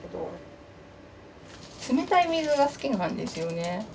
冷たい水が好きなんですよね。